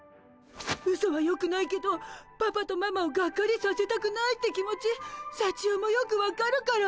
ウソはよくないけどパパとママをがっかりさせたくないって気持ちさちよもよく分かるから。